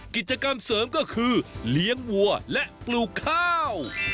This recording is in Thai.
กิจกรรมเสริมก็คือเลี้ยงวัวและปลูกข้าว